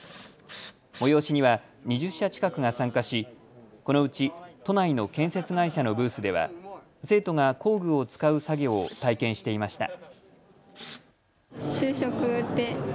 催しには２０社近くが参加しこのうち都内の建設会社のブースでは生徒が工具を使う作業を体験していました。